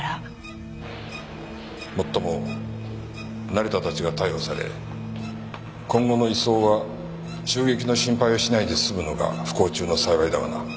もっとも成田たちが逮捕され今後の移送は襲撃の心配をしないで済むのが不幸中の幸いだがな。